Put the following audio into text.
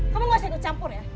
kamu gak usah ikut campur ya